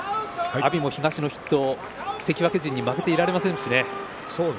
阿炎も東の筆頭関脇陣に負けていられませんしね。